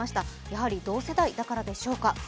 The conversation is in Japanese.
やはり同世代だからでしょうか。